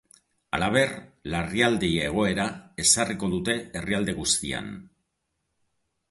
Halaber, larrialdi-egoera ezarriko dute herrialde guztian.